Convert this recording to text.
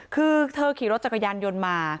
คือเธอขี่รถจักรยานยนต์มา